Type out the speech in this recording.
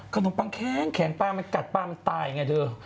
ขนมปังแค้งแข็งปลามันกัดปลามันตายไงเธอ